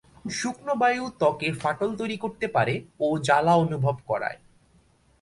শুকনো বায়ু ত্বকে ফাটল তৈরী করতে পারে ও জ্বালা অনুভব করায়।